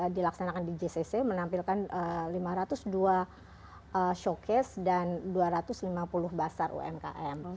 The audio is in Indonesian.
dilaksanakan di jcc menampilkan lima ratus dua showcase dan dua ratus lima puluh basar umkm